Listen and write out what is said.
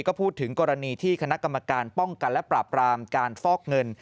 ก็พูดถึงกรณีที่คณะกรรมการป้องกันและปราบรามการฟอกเงิน